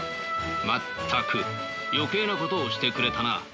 全く余計なことをしてくれたな。